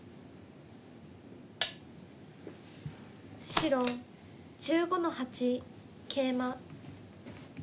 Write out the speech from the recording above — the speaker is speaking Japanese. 白１５の八ケイマ。